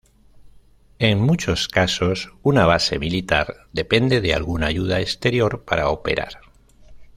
En muchos casos, una base militar depende de alguna ayuda exterior para operar.